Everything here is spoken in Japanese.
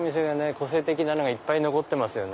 個性的なのがいっぱい残ってますよね。